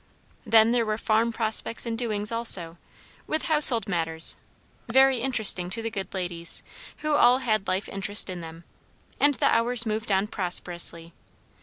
Then there were farm prospects and doings also, with household matters; very interesting to the good ladies, who all had life interest in them; and the hours moved on prosperously.